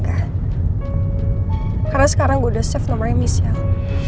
karena sekarang gue udah save nomornya michelle